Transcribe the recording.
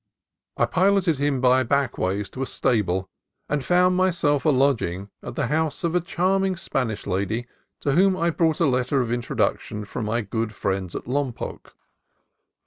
I piloted him by back ways to a stable, and found myself a lodging at the house of a charming Spanish lady to whom I brought a letter of introduction from my good friends at Lompoc.